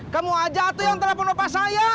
kamu aja yang telepon bapak saya